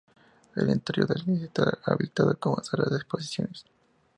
El interior de la iglesia está habilitado como sala de exposiciones.